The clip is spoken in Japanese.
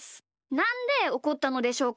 なんでおこったのでしょうか？